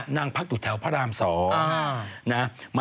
นั่งพักอยู่แถวพระราม๒นะ